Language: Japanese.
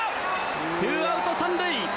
ツーアウト三塁。